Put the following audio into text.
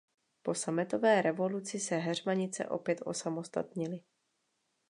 Po sametové revoluci se Heřmanice opět osamostatnily.